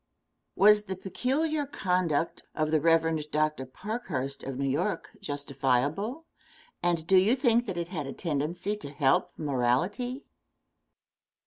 Question. Was the peculiar conduct of the Rev. Dr. Parkhurst, of New York, justifiable, and do you think that it had a tendency to help morality?